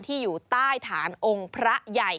อยู่ใต้ฐานองค์พระใหญ่